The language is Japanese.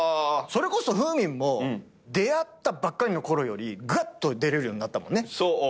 それこそふーみんも出会ったばっかりのころよりぐっと出れるようになったもんね。